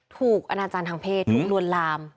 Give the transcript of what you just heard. อนาจารย์ทางเพศถูกลวนลาม